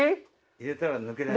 入れたら抜けない。